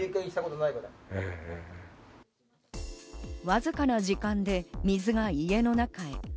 わずかな時間で水が家の中へ。